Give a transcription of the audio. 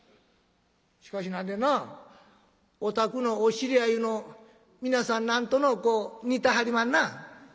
しかし何でんなぁお宅のお知り合いゆうの皆さん何とのうこう似てはりまんな。